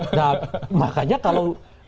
nah makanya kalau kita sudah mau mengambil kebijakan